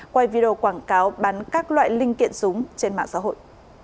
quay video quảng cáo bán các loại linh kiện súng trên mạng xã hội